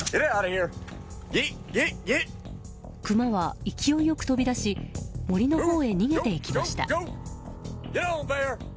クマは勢いよく飛び出し森のほうへ逃げていきました。